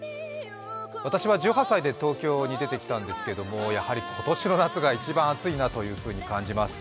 私は１８歳で東京に出てきたんですけれども、やはり今年の夏が一番暑いなというふうに感じます。